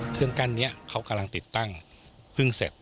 เครื่องกั้นนี้เขากำลังติดตั้งพึ่งเสร็จ